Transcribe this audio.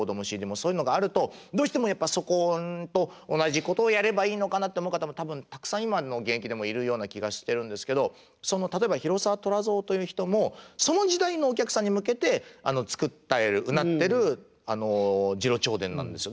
そういうのがあるとどうしてもやっぱりそこと同じことをやればいいのかなって思う方も多分たくさん今の現役でもいるような気がしてるんですけど例えば広沢虎造という人もその時代のお客さんに向けて作ったりうなってる「次郎長伝」なんですよ。